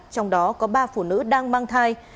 trong đó có ba phụ nữ đang mang thai